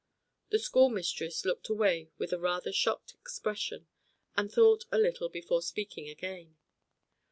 The schoolmistress looked away with a rather shocked expression, and thought a little before speaking again.